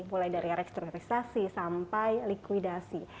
mulai dari restrukturisasi sampai likuidasi